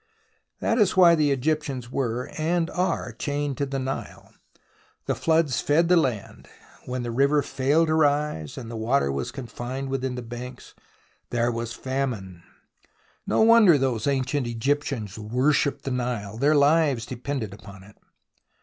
That is why the Egyptians were — and are — chained to the Nile. The floods fed the land. When the river failed to rise, and the water was confined within the banks, there was famine. No 36 THE ROMANCE OF EXCAVATION wonder those ancient Egyptians worshipped the Nile. Their Hves depended on it.